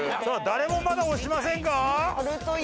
さあ誰もまだ押しませんか？